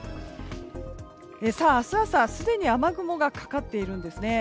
明日朝、すでに雨雲がかかっているんですね。